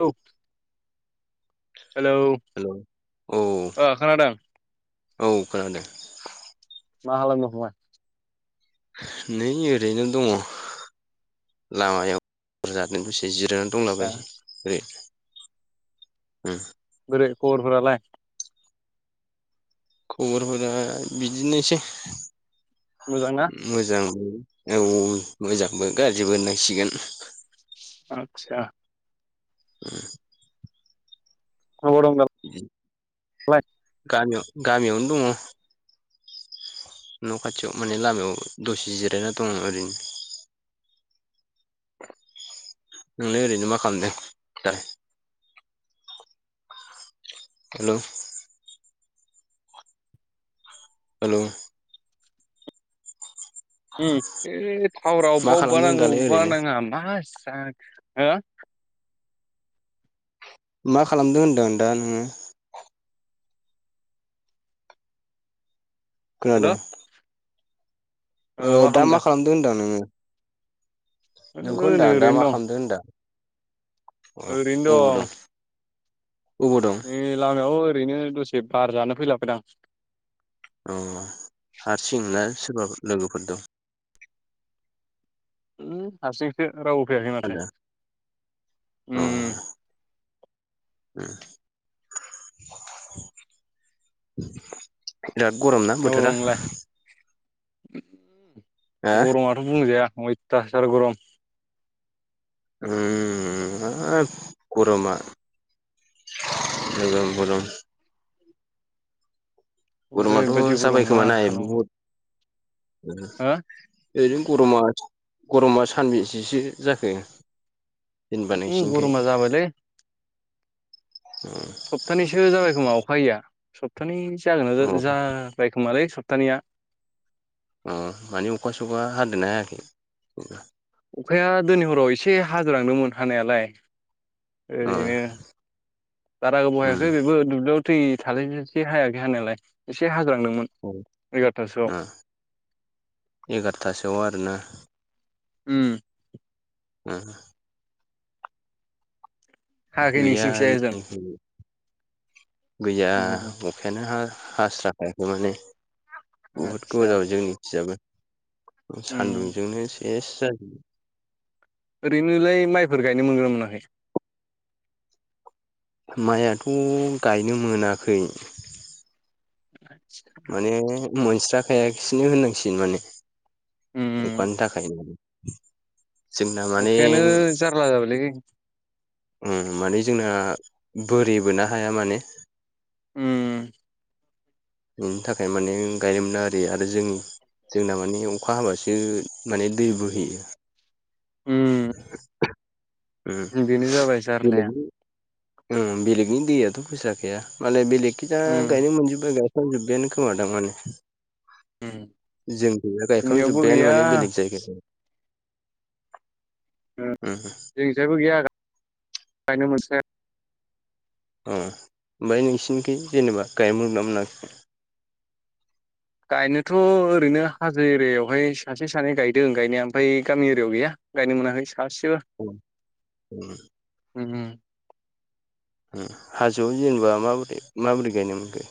द hello hello औ अ खोनादों। औ खोनादों। मा खालामदो? नै ओरैनो दङ लामायाव ब जाथबोस द जिरायनानै आदसा दंलाबायसै ओरै बोरै खबरफोरालाय खबरफोरा बिदिनोसै मोजां ना? मोजां मोनो औ मोजांबो गाज्रिबो होननांसिगोन। आतसा [unintelligible] [inaudible] गामियाव गामियावनो दङ। न' खाथियाव माने लामायाव दसे जिरायना दङ ओरैनो। नोंनो ओरैनो मा खालामदों दा। हेल' हेलौ बे थावरा मा अबेबा अबेबा खालामदों नाङो दालाय अबेबा ओरैनो नाङा मास स हो मा खालामदों होनदों दा नोङो? हेल' खोनादों दा मा खालामदों होनदां नोङो? नोंखौ ओ नै होनदां दा मा ओरैनो खालामदों होनदां औ दं ओरैनो उबो दं अबाव दं लामायाव ओरैनो दसे बार जानो फैलाबायदां अ हारसिं ना सोरबा लोगोफोर दं। हारसिंसो रावबो फैयाखै माथो? आदा अ उम बिराद गरम ना अबाव दं बोथोरा नोंलाय? हा गरमाथ' बुंजाया अयथासार गरम उम आ गरमा गोगोम गरम गरमाथ' ओरैबायदि गरम जाबाय मा खोमा ना खालामबावनो बहुद। [unintelligible] हो ओरैनो गरमा गरमा सानबेसेसो जाखो? जेनेबा उम नोंसिनिखै गरमा जाबायलै सप्तानैसो जाबाय खोमा। उफैया सप्तानै जागोनना अ जा-जाबायखोमालै सप्तानैया अ मानिे अखा सखा हादेरनो हायाखि जब अखाया दनै हराव एसे हाजिरांदोंमोन हानायालाय अ ओरैनो बारा गोबाव उम हायाखै बेबो दुब्लियाव थै थालाय एसे हायाखै हानायालाय एसे हाग्रा औ आ एगारथासोआव आरोना? उ आ बुंथिगिरिनि जेबो खोनानो मोननाय जायाखै हायाखै गैया नोंसिनिखिजाय ओजों जोंथिं गैया उम अखायानो हास्राखायाखै माने? बुहुद गोबाव आदसा जाबाय जोंनि थिंजायबो उम सान्दुंजोंनो सेस जाजुबो ओरैनो लाय माइफोर गायनो मोनगोनना मोनाखै माइया थ' गायनो मोनाखै [inaudible] माने मोनस्रा खायाखैसैनो होननांसिगोन माने उम अखानि थाखायनो जोंना माने अखायानो जारला जाबायलै उम माने जोंना बोरिबोना हाया माने उम। बिनि थाखाय माने गायनो मोना आरो ओरै जोंनि जोंना माने अखा हाबासो माने दै बोहैयो [unintelligible] उम बिनो जाबाय जारलाया ओ बेलेगनि दैआथ' फैस्राखाया माने बेलेग ओ उम गायनो मोनजोब्बाय गायखां जोब्बाय आनो खोमादां। उम जोंनि थिं'थ गायखां जोंनियावबो जोब्बायानो माने गैया बेलेख जायगानि उ जोंनि उम थिंजायबो गैया गायनो मोनस्रायाखै। उ ओमफाय नोंसिनिखै जेनेबा गायनो मोनगोनना मोनाखै? गायनोथ' ओरैनो हाजो एरियाव हाय सासे सानै गायदों गायनाया ओमफाय गामि एरिया आव गैया गायनो‌ मोनाखै [inaudible] बुंथिगिरिफोरनि जेबो खोनानो मोननाय जायाखै हाजोआव जेनेबा माबोरै माबोरै गायनो मोनखो?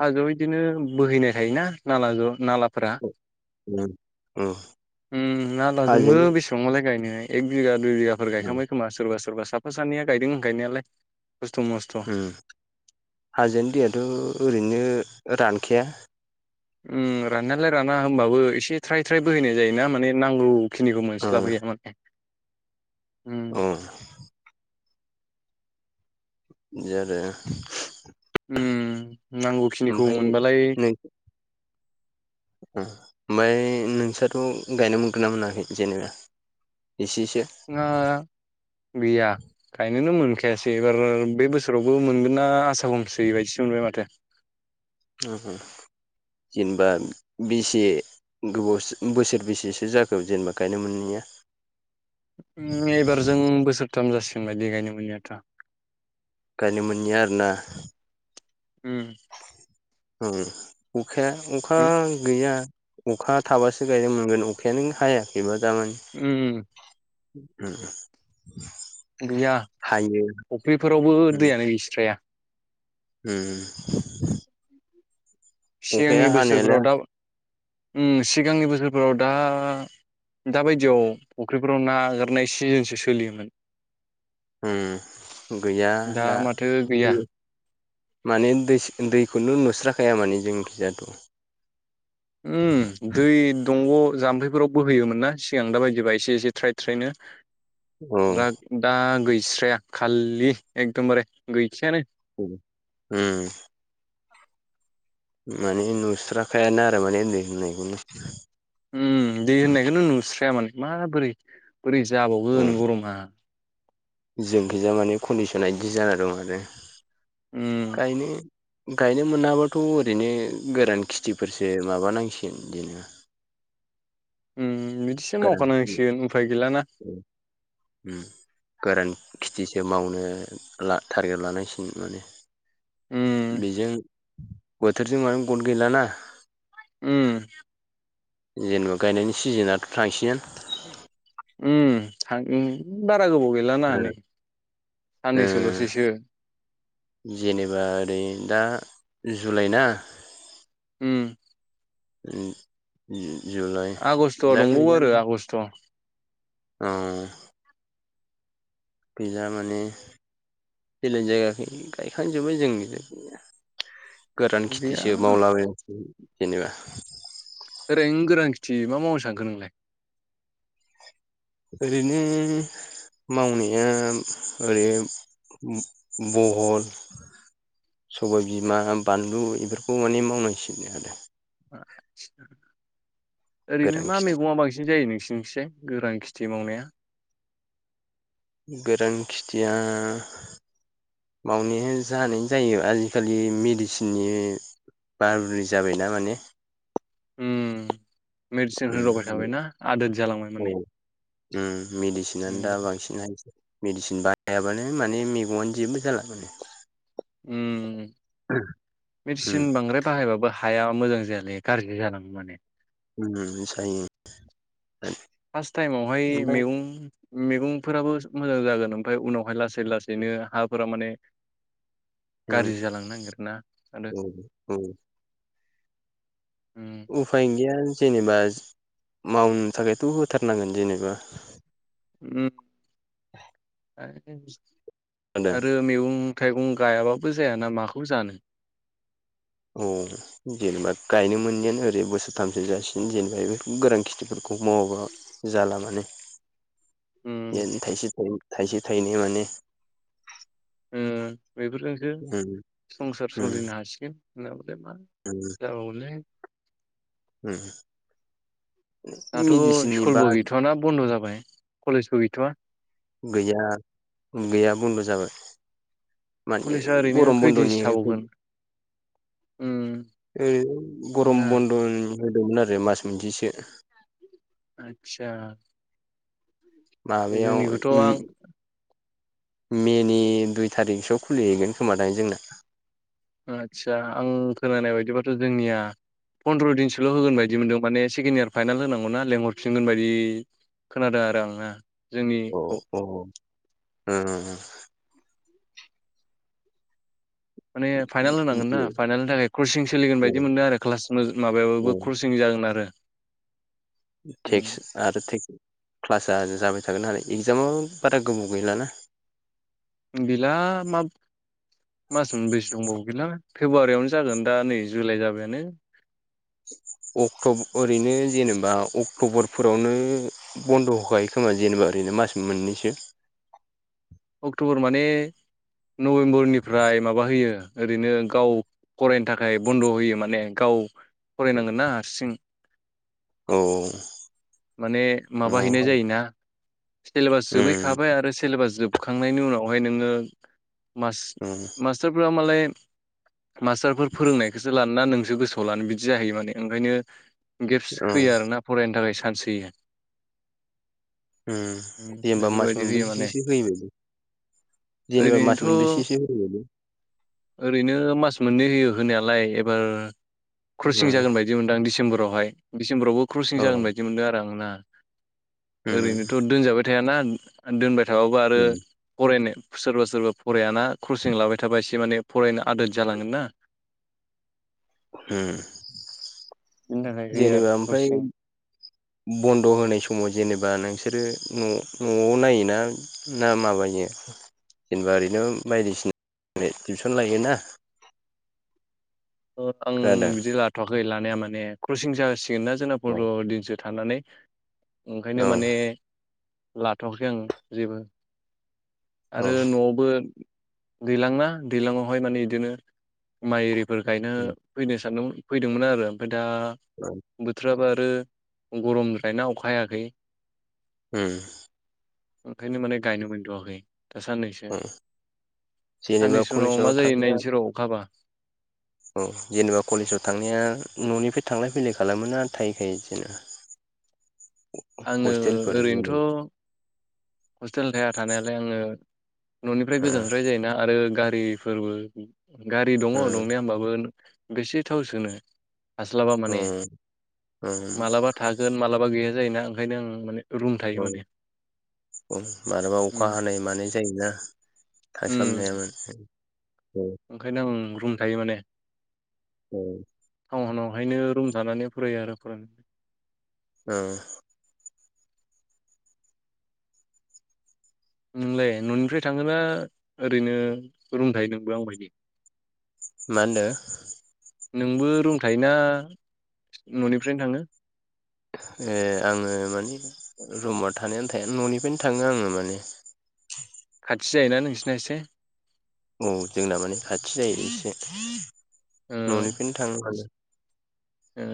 हाजोआव बिदिनो बोहैनाय थायोना नालाजों नाला फ्रा उम उम नालाजोंबो हाजोनि बेसेबां मालाय गायनो एख बिगा दुय बिगाफोर गायखांबाय खोमा सोरबा सोरबा साफा सानै गायदों गायनायालाय। खस्थ' मस्थ' उम हाजोनि दैया थ' ओरैनो रानखाया ओम राननायालाय राना होमबाबो एसे थ्राय थ्राय बोहैनाय जायोना जोंनिखौ मोनस्लाब हैया माने उम अ बिदि आरो आम ओमफाय [inaudible] ओमफाय नोंसोरथ' गायनो मोनगोन ना मोनाखै जेनेबा? एसेसो ना गैयाखायनोनो मोन जखायासै एबार बे बोसोरावबो मोनगोन ना आसा हमसै बायदिसो मोनबाय माथो। हो-हो जेनबा बेसे गोबाव सो बोसोर बै से सो जाखो गायनो मोनैआ ओ एबखरजों बोसोरथाम जासिगोन बायदि गायनो मोनैआथ गायनो मोनैआ आरो ना उ ओं अखाया अखागोया अखा थाबासो गायनो मोनगोन अखायानो हायाखैब्ला उ ओ ओ गोया फक्रिफ्रावबो दैयानो गैस्राया ह सिगांनि बोसोरफ्राव दा ओं सिगांनि बोसोरफ्राव दा दा बायदियाव फुख्रिफोराव ना आगारनाय सिजोनसो सोलियोमोन। ओम गैया दा माथो गैया माने दै दैखौनो नुस्राखाया माने जोंखिजाथ'। उम दै दंग जाम्फैफोराव बोहैयोमोन ना सिगां दा बायदिबा एसे एसे थ्राय-थ्रायनो औ द्रा दा गैस्राया खालि एकदमबारे गैखायानो। होम [inaudible] माने नुस्राखायानो आरो माने दै होननायखौ। उम दै होननायखौनो नुस्राया माने माबोरै बोरै उम जाबावगोन गरमा। जोंखिजा माने कन्दिसना बिदि जाना दं आरो। उम गायनो गायनो मोनाबाथ' ओरैनो गोरान खिथिफोरसो माबानांसिगोन बिदिनो। उम बिदिसो मावखा गोरान नांसिगोन उफाय गैलाना। गोरान खेथिसो मावनो ला टारगेट लानांसिनगोन मोने। उम बेजों बोथोरजों मानो गट गैलाना। ओम जेनेबा गायनायनि सिजोनथ' थांसिगोन। उम थां उम बारा गोबाव गैलाना नै। ओ साननैसोल'सैसो जेनेबा ओरै दा जुलाइ ना उम ओम ओम जुलाइ आगष्ट'आ दा दंबावो आरो गैलालै आगष्ट' औ पिजा माने बेलेग जायगाखै गायखांजोबबाय जोंनिजों गैया। गोरान गैया खेथिसो मावलाबायनोसै जेनेबा। ओरैनो गोरान खेथि मा मावनो सानखो नोंलाय? ओरैनो मावनाया ओरै बहल सबाय बिमा, बानलु एफोरखौ माने मावनांसिगोन आरो। ओरैनो गोरान मा खिथि मैगङा बांसिन जायो नों सिनोसाय गोरान खेथि मावनाया? गोरान खिथिया मावनाया जानाय जायो आजिखालि मेडिसिननि बाहादुरि जाबायना माने। ओम मेडिसिन होदावबाय थाबायना आदोद जालांबाय माने। ओम उम मेडिसिनानो दा बांसिन होयोसै। मेडिसिन बायाबानो माने मैगंआनो जेबो जाला माने। ओम मेडिसिन बांद्राय बाहायबाबो हाया मोजां जायालै गाज्रि जालाङो माने ओम ओम सायो फास टाइमावहाय मैगं मेगंफोराबो मोजां जागोन ओमफ्राय उनावहाय लासै लासैनो हाफोरा माने गाज्रि जालांनो नांगिरोना आरो औ उम उफाय गैया जेनेबा मावनो थाखायथ' होथारनांगोन जेनेबा उम [inaudible] [unintelligible] आदा आरो मैगं थाइगं गायाबाबो जायाना माखौ जानो औ जेनेबा गायनो मोननायानो ओरै बोसोरथामसो जासिगोन जेनेबा बे गोरान खेथिफोरखौ मवाबा जाला माने [inaudible] उम [unintelligible] थायसे थायनै थायसे थायनै माने ओ बेफोरजोंसो उम संसार उम सोलिनो हासिगोन उम होनना [unintelligible] उम दाथ' मेडिसिननि बा स्कुलबो गैथ'वाना बन्द' जाबाय कलेजबो गैथ'वा गैया गैया बन्द' जाबाय माने कलेजआ ओरैनो गरम खैदिनसो बन्द'नि थाबावगोन उम ओरै गरम नङा बन्द' होदोंमोन आरो मास मोनसेसो आदसा माबायाव जोंनिखौथ' ओ आं मेनि दुइ थारिखसोआव खुलिहैगोन खोमा दायो जोंना आदसा आं खोनानाय बायदिबाथ' जोंनिया फन्द्र' दिनसोल' होगोन बायदि मोनदों माने सेकेड इयार फाइनाल होनांगौ ना लेंहरफिनगोन बायदि खोनादों आरो आं ना औ औ उम उम माने फाइनाल होनांगोन ना उम फाइनालनि थाखाय क्रसिं सोलिगोन बायदि औ मोनदों आरो क्लास माबायाबाबो क्रसिं जा जागोन आरो थेक्स आरो थेक क्लासआ जाबाय थागोन आरो इगजामाबो बारा गोबाव गैलाना गैला [inaudible] मास मोनब्रैसो दंबावो गैला फेब्रुवारियावनो जागोन दा नै जुलाइ जाबायानो अक्ट' ओरैनो जेनेबा अक्ट'बरफोरावनो बन्द' होखायो खोमा बा जेनेबा ओरैनो मास मोननैसो अक्ट'बर माने नबेम्बरनिफ्राय माबा होयो ओरैनो गाव फरायनो थाखाय बन्द' होयो माने गाव फरायनांगोन ना हारसिं औ माने माबा न'आव हैनाय जायोना सेलेबास उम जोबहैखाबाय आरो सेलेबास जोबखांनायनि उनावहाय नोङो उम मास-मास्टारफोरा मालाय मास्टारफोर फोरोंनायखौसो लानो ना नों गोसोआव लानो बिदि जाहैयो माने ओंखायनो गेप्स औ होयो आरोना फरायनो थाखाय चान्च होयो उम जेनबा मास बेफोरबायदि होयो माने मोनबेसोसो होयो ओरैनोथ' ओरैनो मास मोननै होयो होनाया लाय एबार क्रसिं जागोनबायदि मोन्दां डिसेम्बरावहाय दिसेम्बरआवबो क्रसिं औ जागोन बायदि मोनदों आरो आं ना उम ओरैनोथ' दोनजाबाय थायाना दोनबाय थाबाबो आरो उम फरायनो सोरबा सोरबा फरायाना कसिं लाबाय थाबाय एसे माने फरायनो आदोर जालांगोन ना। [inaudible] हम। बिनि थाखाय होयो आरो जेनेबा ओमफ्राय क्रसिं बन्द' होनाय समाव जेनेबा नोंसो सोरो न'आव नायोना ना माबायो? जेनेबा ओरैनो बायदिसिना टिउसन लायोना [inaudible] आं खोनादों बिदि लाथ'वाखै लानाया माने क्रसिं जासिगोन ना जोंना औ फन्द्र' दिनसो थानानै ओंखायनो माने औ लाथ'वाखै आङो जेबो आरो न'आवबो दैल्जां ना दैज्लाङावहाय माने बिदिनो माइ आरिफोर गायनो फैनो सानदों फैदोंमोन आरो ओमफ्राय दा बोथोराबा आ आरो गरमद्रायना अखा हायाखै। उम। ओंखायनो माने गायनो मोनथ'वाखै। दा साननैसो उम जेनेबा साननैसो उनाव कलेजाव मा जायो थांनाया नायसै र' अखा हाबा। औ जेनेबा कलेजाव थांनाया न'निफ्राय थांलाय फैलाय खालामोना थाहैखायो जेनबा? [inaudible] आङो जेनेबा ओरैनोथ' हस्टेल थाया थानायालाय आङो न'निफ्राय ओ गोजानद्राय जायोना आरो गा गारिफोरबो गारि दङ दंनाया होमबाबो बेसे थाव सोनो। बे हास्लाबा ओ माने ओ माबालाबा थागोन मालाबा गैया जायोना ओंखायनो आं माने रूम थायो औ माने। मालाबा अखा उम हानाय मानाय जायोना थास्लाबनो हाया उम माने। ओंखायनो आं रुम थायो माने। औ। टाउनावहायनो रुम थानानै फरायो आरो फरायना ओं। नोंलाय न'निफ्राय थाङोना ओरैनो रुम थायो नोंबो आं बायदि? मा होन्दों? नोंबो रुम थायोना न'निफ्रायनो थाङो? ए आङो माने रुमाव थानायानो थाया न'निफ्रायनो थाङो आङो माने। खाथि जायोना नोंसिना एसे? औ जोंना माने खाथि जायो एसे। ओ न'निफ्रायनो थाङो माने।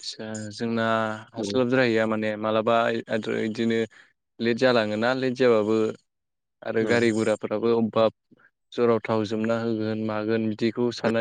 आदसा जोंना उम हास्लाब द्राहैया माने। मालाबा आरो बिदिनो लेट जालाङोना लेट जाबाबो आरो उम गारि गुराफोराबो अबबा जराव थाव जोबना होगोन मागोन बिदिखौ सानना